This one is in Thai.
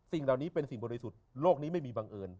สิ่งเหล่านี้เป็นสิ่งบริสุทธิ์โลกนี้ไม่มีบังเอิญ